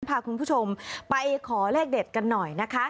พาคุณผู้ชมไปขอเลขเด็ดกันหน่อยนะคะ